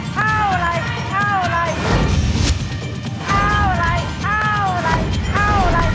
เท่าไหร่